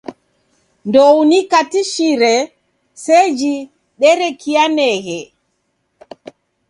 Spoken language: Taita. Ndouniukatishire seji deredikianeghe.